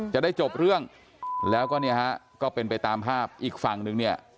จะได้จบเรื่องแล้วก็เนี่ยฮะก็เป็นไปตามภาพอีกฝั่งนึงเนี่ย